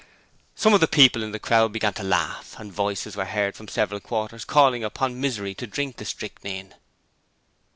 Some of the people in the crowd began to laugh, and voices were heard from several quarters calling upon Misery to drink the strychnine.